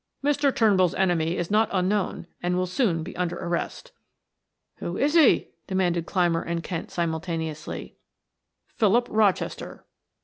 "Mr. Turnbull's enemy is not unknown and will soon be under arrest." "Who is he?" demanded Clymer and Kent simultaneously. "Philip Rochester."